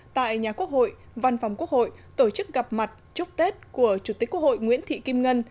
tại nhà quốc hội văn phòng quốc hội tổ chức gặp mặt chúc tết của chủ tịch quốc hội nguyễn thị kim ngân